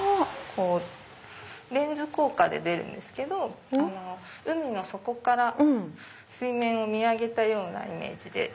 レンズ効果で出るんですけど海の底から水面を見上げたようなイメージで。